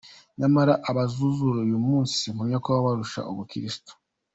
Nyamara abazuzura uyu munsi simpamya ko babarusha ubukristu.